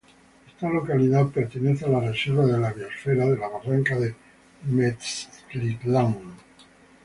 Esta localidad pertenece a la Reserva de la biósfera de la Barranca de Metztitlán.